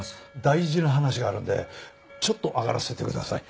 大事な話があるんでちょっと上がらせてください。